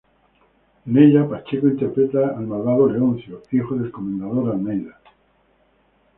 En ella, Pacheco interpreta al malvado Leoncio, hijo del comendador Almeida.